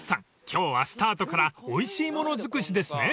［今日はスタートからおいしいもの尽くしですね］